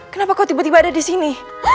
kenapa kau tiba tiba ada di sini